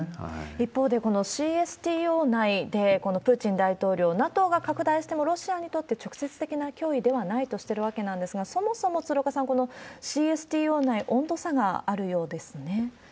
一方で、ＣＳＴＯ内で、プーチン大統領、ＮＡＴＯが拡大しても、ロシアにとって直接的な脅威ではないとしてるわけなんですが、そもそも、鶴岡さん、このＣＳＴＯ内、温度差があるようですね。